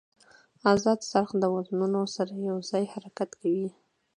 ازاد څرخ د وزنونو سره یو ځای حرکت کوي.